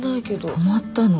泊まったの。